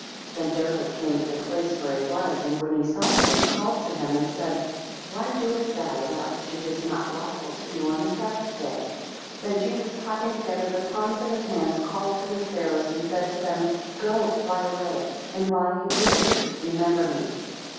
7 Then Joseph came to the place where he was, and when he saw him, called to him, and said, Why doest thou that which it is not lawful to do on the Sabbath day? 8 Then Jesus clapping together the palms of his hands, called to the sparrows, and said to them Go, fly away; and while ye live remember me.